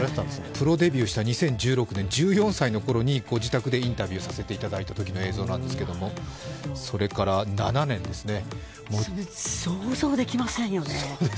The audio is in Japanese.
プロデビューした２０１６年、１６歳のときにご自宅でインタビューさせていただいたときの映像なんですけど想像できませんよね。